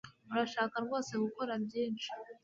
Urashaka rwose gukora byinshi?